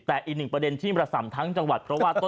แต่อีกหนึ่งประเด็นที่ประส่ำทั้งจังหวัด